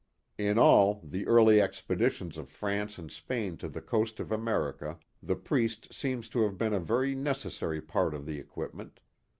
In all the early expeditions of France and Spain to the coast of America, the priest seems to have been a very neces sary part of the equipment.